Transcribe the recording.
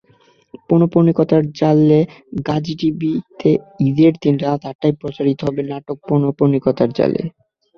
পৌনঃপুনিকতার জালেগাজী টিভিতে ঈদের দিন রাত আটটায় প্রচারিত হবে নাটক পৌনঃপুনিকতার জালে।